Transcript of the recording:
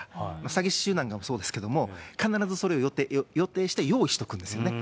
詐欺師集団なんかもそうですけど、必ずそれを予定して用意しておくんですよね。